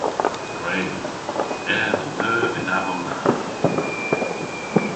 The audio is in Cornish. Gwredh. Ev a neuv y'n avon na.